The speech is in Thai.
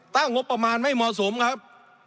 งบประมาณไม่เหมาะสมครับ